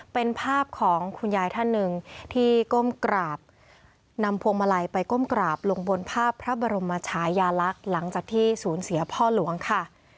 เป็นภาพของคุณยายท่านหนึ่งที่ก้มกราบนำพวงมาลัยไปก้มกราบลงบนภาพพระบรมชายาลักษณ์หลังจากที่ศูนย์เสียพ่อหลวงค่ะ